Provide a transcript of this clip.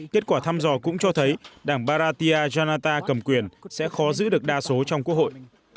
kết quả thăm dò cũng cho thấy đảng baratia janata cầm quyền sẽ khó giữ được đa số trong quốc hội